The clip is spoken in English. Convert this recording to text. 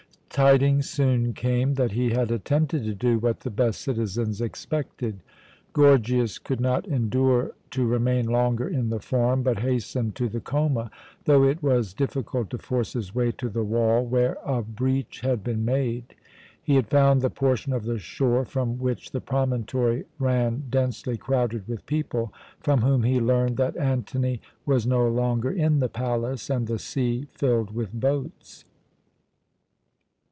Tidings soon came that he had attempted to do what the best citizens expected. Gorgias could not endure to remain longer in the Forum, but hastened to the Choma, though it was difficult to force his way to the wall, where a breach had been made. He had found the portion of the shore from which the promontory ran densely crowded with people from whom he learned that Antony was no longer in the palace and the sea filled with boats.